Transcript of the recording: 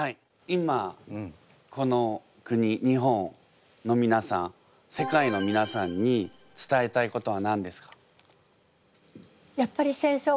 いまこの国日本のみなさん世界のみなさんに伝えたいことは何ですか？